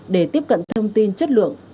để tiếp cận thông tin chất lượng